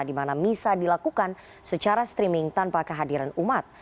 di mana misa dilakukan secara streaming tanpa kehadiran umat